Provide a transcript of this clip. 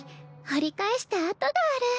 掘り返した跡がある。